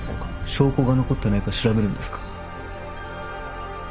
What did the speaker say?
証拠が残ってないか調べるんですか？